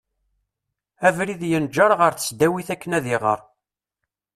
Abrid yenǧer ɣer tesdawit akken ad iɣer.